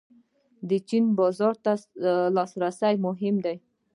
د چین بازار ته لاسرسی مهم دی